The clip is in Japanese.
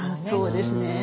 そうですね。